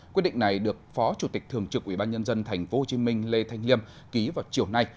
quyết định này được phó chủ tịch thường trực ubnd tp hcm lê thanh liêm ký vào chiều nay